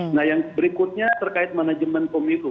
nah yang berikutnya terkait manajemen pum itu